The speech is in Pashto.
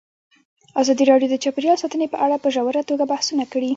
ازادي راډیو د چاپیریال ساتنه په اړه په ژوره توګه بحثونه کړي.